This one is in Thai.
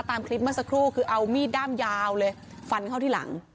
ตามคลิปเมื่อสักครู่คือเอามีดด้ามยาวเลยฟันเข้าที่หลัง